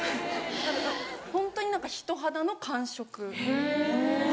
ホントに人肌の感触で。